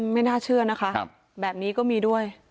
ไม่น่าเชื่อนะคะแบบนี้ก็มีด้วย